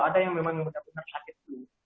ada yang memang benar benar sakit flu